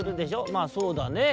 「まあそうだねぇ」。